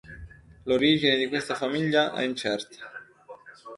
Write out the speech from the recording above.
L'origine di questa famiglia è incerta.